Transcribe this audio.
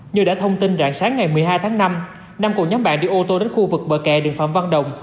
như đã thông tin rạng sáng ngày một mươi hai tháng năm nam cùng nhóm bạn đi ô tô đến khu vực bờ kè đường phạm văn đồng